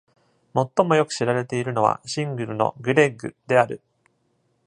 最もよく知られているのは、シングルの『グレッグ！』である。